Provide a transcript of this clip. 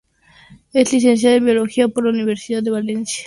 Es Licenciada en Biología por la Universidad de Valencia.